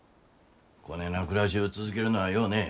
こねえな暮らしゅう続けるなあようねえ。